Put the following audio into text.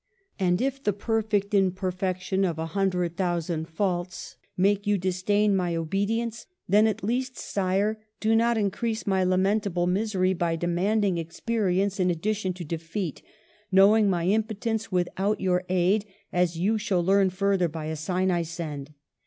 And if the perfect imper fection of a hundred thousand faults make you disdain my obedience, then, at least. Sire, do not increase my lamentable misery by demanding experience in addi tion to defeat, knowing my impotence without your aid, as you shall learn further by a sign I send.